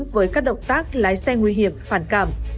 với các động tác lái xe nguy hiểm phản cảm